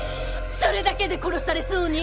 それだけで殺されそうに！？